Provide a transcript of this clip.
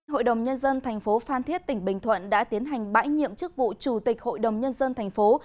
hội đồng nhân dân thành phố phan thiết tỉnh bình thuận đã tiến hành bãi nhiệm chức vụ chủ tịch hội đồng nhân dân thành phố